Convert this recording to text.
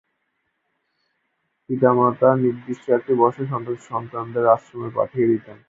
পিতা-মাতা নির্দিষ্ট একটি বয়সে সন্তানদের আশ্রমে পাঠিয়ে দিতেন।